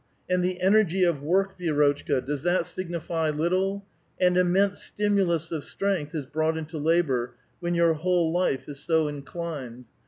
And the energy of work, Vidrotchka, does that signify little ! An immense stimulus of strength is brought into labor when your whole life is so inclined.